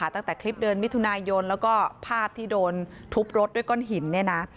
ตั้งแต่คลิปเดือนมิถุนายนแล้วก็ภาพที่โดนทุบรถด้วยก้อนหินเนี่ยนะ